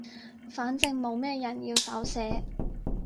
反正冇咩人要手寫